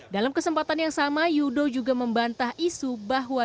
dalam kesempatan yang sama yudo juga membantah isu bahwa